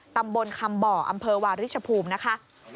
ตำบลคำบ่ออำเภอวาริชภูมินะคะ